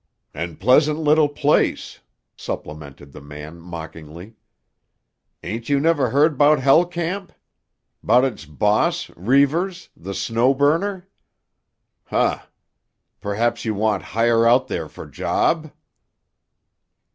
"An' pleasant little place," supplemented the man mockingly. "Ain't you never heard 'bout Hell Camp? 'Bout its boss—Reivers—the 'Snow Burner'? Huh! Perhaps you want hire out there for job?"